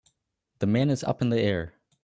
The man is up in the air